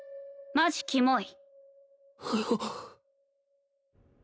マジキモい！